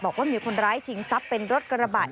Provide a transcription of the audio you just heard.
บอกว่ามีคนร้ายชิงทรัพย์เป็นรถกระบะ